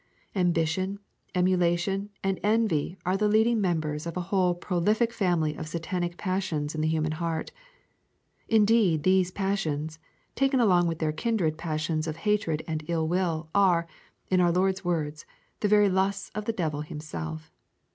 Ambition, emulation, and envy are the leading members of a whole prolific family of satanic passions in the human heart. Indeed, these passions, taken along with their kindred passions of hatred and ill will, are, in our Lord's words, the very lusts of the devil himself.